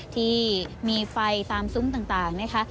ที่มีไฟตามซุ้มต่างนะคะ